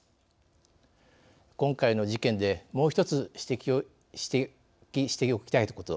今回の事件でもう一つ指摘しておきたいこと。